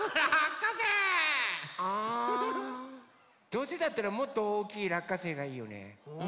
どうせだったらもっとおおきいらっかせいがいいよね。